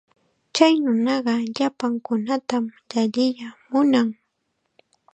Chay nunaqa llapankunatam llalliya munan.